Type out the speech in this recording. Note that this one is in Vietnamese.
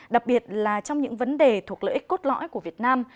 đặc biệt là trong những vấn đề thuộc lợi ích cốt lõi của việt nam